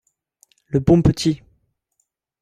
Le bon petit !